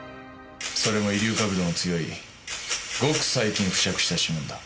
それも遺留確度の強いごく最近付着した指紋だ。